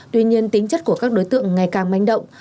tuy nhiên tính chất của các đối tượng ngày càng manh động